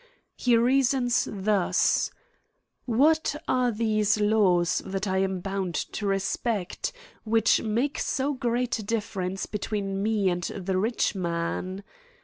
He reasons thus :' What * are these laws that I am bound to respect, which * make so great a difference between me and the * rich man